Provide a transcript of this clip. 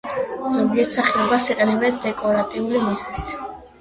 ზოგიერთ სახეობას იყენებენ დეკორატიული მიზნით.